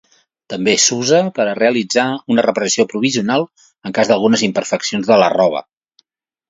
També s'usa per a realitzar una reparació provisional en cas d'algunes imperfeccions de la roba.